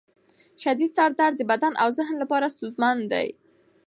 شدید سر درد د بدن او ذهن لپاره ستونزمن دی.